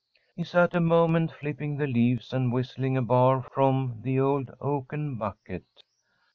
He sat a moment, flipping the leaves and whistling a bar from "The Old Oaken Bucket."